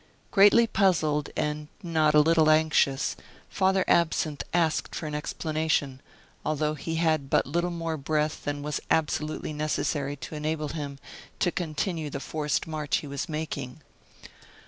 Greatly puzzled, and not a little anxious, Father Absinthe asked for an explanation, although he had but little more breath than was absolutely necessary to enable him to continue the forced march he was making.